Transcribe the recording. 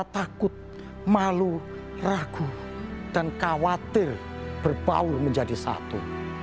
takut malu ragu dan khawatir berbau menjadi satu